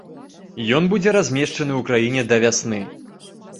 Ён будзе размешчаны ў краіне да вясны.